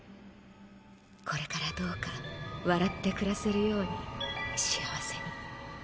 これからどうか笑って暮らせるように幸せに。